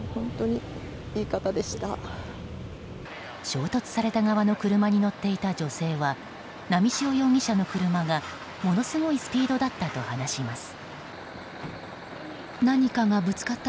衝突された側の車に乗っていた女性は波汐容疑者の車がものすごいスピードだったと話します。